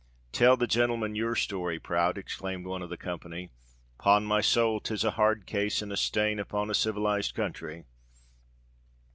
tell the gentlemen your story, Prout," exclaimed one of the company. "'Pon my soul 'tis a hard case, and a stain upon a civilised country.